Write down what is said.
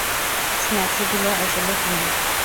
স্ন্যাক্সগুলো আসলে ফ্রি!